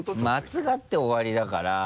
熱がって終わりだから。